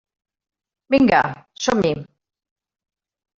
Vinga, som-hi!